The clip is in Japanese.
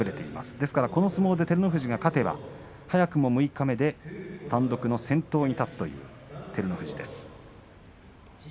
ですからこの相撲で照ノ富士が勝てば早くも六日目で単独の先頭に立つという照ノ富士です。